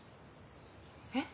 えっ？